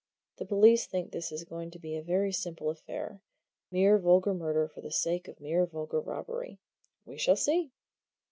The police think this is going to be a very simple affair mere vulgar murder for the sake of mere vulgar robbery. We shall see!"